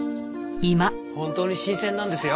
本当に新鮮なんですよ。